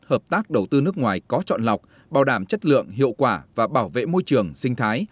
hợp tác đầu tư nước ngoài có chọn lọc bảo đảm chất lượng hiệu quả và bảo vệ môi trường sinh thái